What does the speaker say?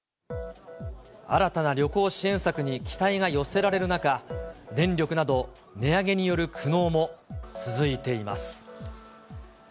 新たな旅行支援策に期待が寄せられる中、電力など値上げによる苦悩も続いています。